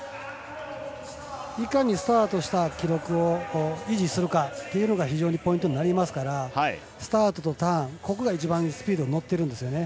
いかにスタートした記録を維持するかが非常にポイントになりますからスタートとターン、これが一番スピードに乗ってるんですよね。